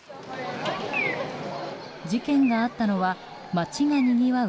事件があったのは街がにぎわう